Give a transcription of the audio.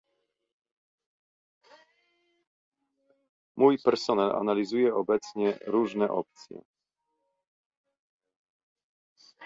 Mój personel analizuje obecnie różne opcje